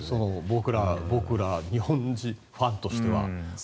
僕ら日本人ファンとしては。